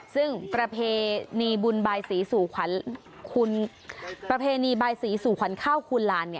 ซึ่งประเพณีบุญบายศรีสูขวัญข้าวคูณลาน